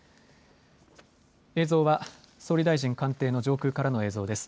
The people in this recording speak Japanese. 映像は総理大臣官邸の上空からの映像です。